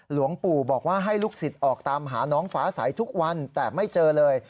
หลวงปู่บอกว่าให้ลูกศิษย์ออกตามหาน้องฟ้าใสทุกวันแต่ไม่เจอเลย